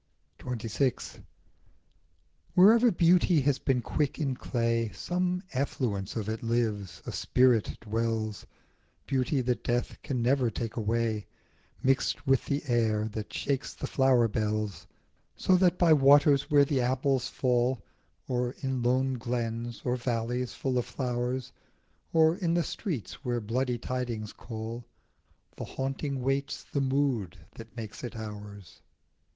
29 XXVI. WHEREVER beauty has been quick in clay Some effluence of it lives, a spirit dwells, Beauty that death can never take away Mixed with the air that shakes the flower bells ; So that by waters where the apples fall, Or in lone glens, or valleys full of flowers, Or in the streets where bloody tidings call, The haunting waits the mood that makes it ours.